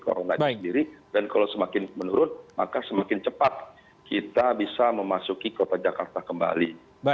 corona itu sendiri dan kalau semakin menurun maka semakin cepat kita bisa memasuki kota jakarta kembali